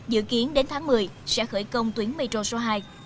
dự kiến đến tháng một mươi sẽ khởi công tuyến metro số hai